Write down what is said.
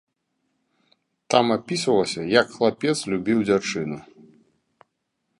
Там апісвалася, як хлапец любіў дзяўчыну.